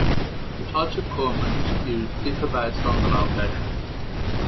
The types of cormorants used differ based on the location.